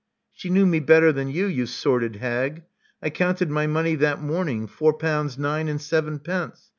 She knew me better than you, you sordid hag. I counted my money that morning — four pounds nine and sevenpence.